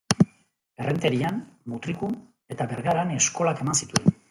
Errenterian, Mutrikun eta Bergaran eskolak eman zituen.